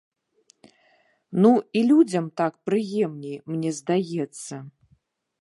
Ну, і людзям так прыемней, мне падаецца.